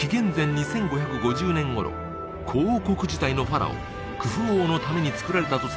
２５５０年頃古王国時代のファラオクフ王のために造られたとされる